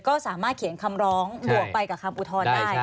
ก็สามารถเขียนคำร้องบวกไปกับคำอุทธรณ์ได้